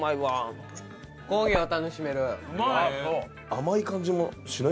甘い感じもしない？